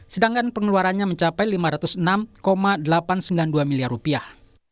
sedangkan pengeluarannya mencapai lima ratus enam delapan ratus sembilan puluh dua miliar rupiah